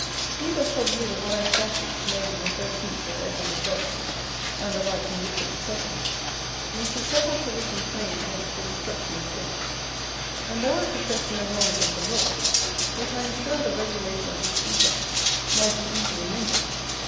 He that shall view the wise Statutes made in the 13th of Edward the First, and the like in Richard the Second, may see several provisions made against the destruction of fish: and though I profess no knowledge of the law, yet I am sure the regulation of these defects might be easily mended.